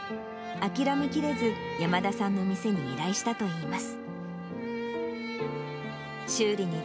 諦めきれず、山田さんの店に依頼したといいます。